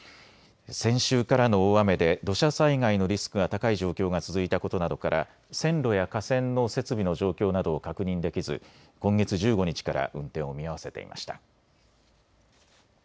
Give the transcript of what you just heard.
先週からの大雨で土砂災害のリスクが高い状況が続いたことなどから線路や架線の設備の状況などを確認できず今月１５日から運転を見合わせていました。